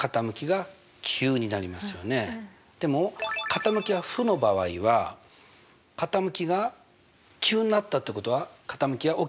でも傾きが負の場合は傾きが急になったってことは傾きは大きくなった？